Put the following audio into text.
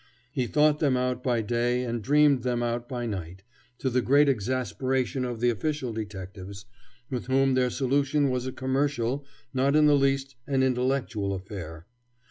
He thought them out by day and dreamed them out by night, to the great exasperation of the official detectives, with whom their solution was a commercial, not in the least an intellectual, affair.